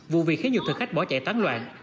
vụ việc khiến nhiều thực khách bỏ chạy tán loạn